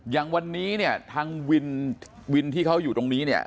อย่างวันนี้เนี่ยทางวินวินที่เขาอยู่ตรงนี้เนี่ย